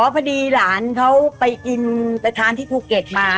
พอดีหลานเขาไปกินไปทานที่ภูเก็ตมา